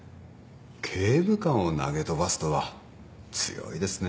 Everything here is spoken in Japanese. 刑務官を投げ飛ばすとは強いですね。